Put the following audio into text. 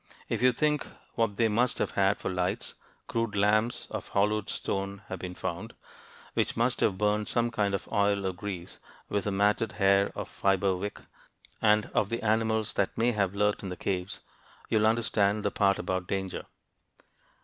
If you think what they must have had for lights crude lamps of hollowed stone have been found, which must have burned some kind of oil or grease, with a matted hair or fiber wick and of the animals that may have lurked in the caves, you'll understand the part about danger.